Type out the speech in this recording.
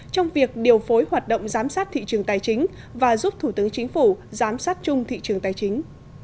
trong việc điều phối hoạt động giám sát thị trường tài chính và giúp thủ tướng chính phủ giám sát chung thị trường tài chính